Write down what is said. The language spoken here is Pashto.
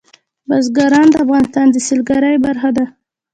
بزګان د افغانستان د سیلګرۍ برخه ده.